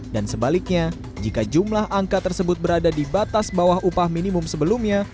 dan sebaliknya jika jumlah angka tersebut berada di batas bawah upah minimum sebelumnya